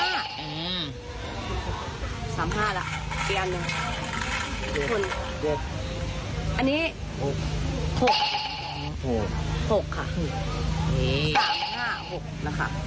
เลขอะไรเมื่อกี้ถูกไม่ถัด